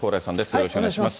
よろしくお願いします。